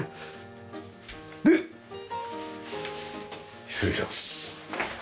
で失礼します。